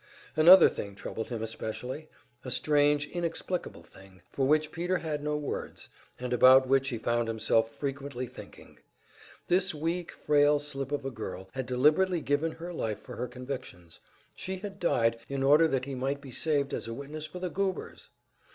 Another thing troubled him especially a strange, inexplicable thing, for which Peter had no words, and about which he found himself frequently thinking. This weak, frail slip of a girl had deliberately given her life for her convictions; she had died, in order that he might be saved as a witness for the Goobers!